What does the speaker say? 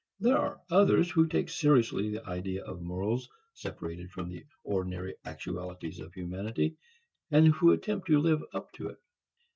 There are others who take seriously the idea of morals separated from the ordinary actualities of humanity and who attempt to live up to it.